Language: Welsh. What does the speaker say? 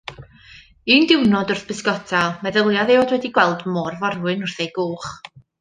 Un diwrnod wrth bysgota, meddyliodd ei fod wedi gweld môr-forwyn wrth ei gwch.